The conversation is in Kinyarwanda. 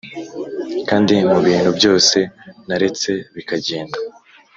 kandi mubintu byose naretse bikagenda